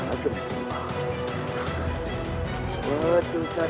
kau sudah berpikir